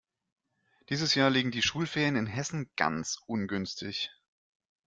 Dieses Jahr liegen die Schulferien in Hessen ganz ungünstig.